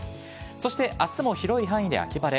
そしてあすも広い範囲で秋晴れ。